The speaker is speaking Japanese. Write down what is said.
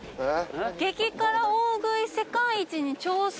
「激辛大食い世界一に挑戦」